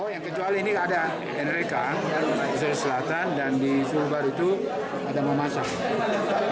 yang kecuali ini ada nrk di sulawesi selatan dan di sulbar itu ada memasak